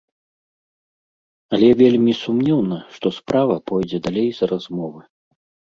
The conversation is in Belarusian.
Але вельмі сумнеўна, што справа пойдзе далей за размовы.